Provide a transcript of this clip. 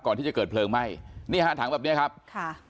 ก่อนที่จะเกิดเพลิงไหม้นี่ฮะถังแบบเนี้ยครับค่ะ